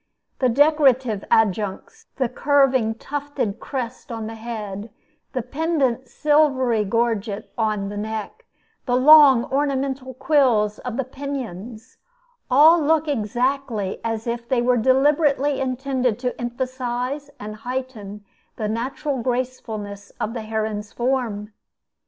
The decorative adjuncts the curving tufted crest on the head, the pendent silvery gorget on the neck, the long ornamental quills of the pinions all look exactly as if they were deliberately intended to emphasize and heighten the natural gracefulness of the heron's form.